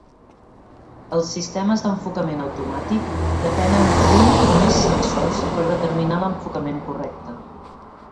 Els sistemes d'enfocament automàtic depenen d'un o més sensors per determinar l'enfocament correcte.